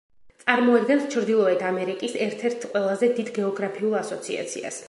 წარმოადგენს ჩრდილოეთ ამერიკის ერთ-ერთ ყველაზე დიდ გეოგრაფიულ ასოციაციას.